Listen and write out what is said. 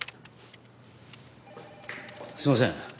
すみません。